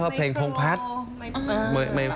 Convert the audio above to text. แล้วแบบนี้เตรียมตัวจะมีน้องอีกสักคนหนึ่งไหมคะ